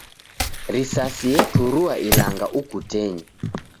Risasi eturua ilanga ukutenyi.